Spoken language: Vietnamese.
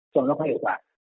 cho nó có hiệu quả